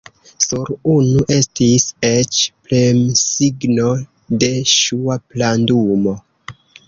Sur unu estis eĉ premsigno de ŝua plandumo.